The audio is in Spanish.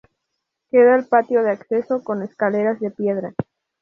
Queda el patio de acceso, con escaleras de piedra.